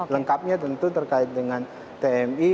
lengkapnya tentu terkait dengan tmi